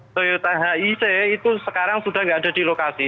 toyota hic itu sekarang sudah tidak ada di lokasi